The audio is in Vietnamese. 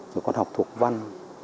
rồi con học thuộc văn